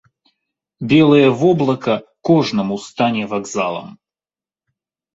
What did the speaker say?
Белае воблака кожнаму стане вакзалам.